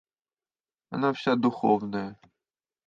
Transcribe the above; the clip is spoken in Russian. Она вся духовная...